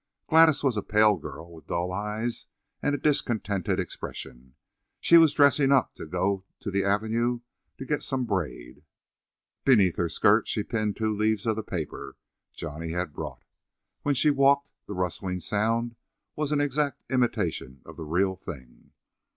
Gladys was a pale girl, with dull eyes and a discontented expression. She was dressing to go up to the avenue to get some braid. Beneath her skirt she pinned two leaves of the paper Johnny had brought. When she walked the rustling sound was an exact imitation of the real thing.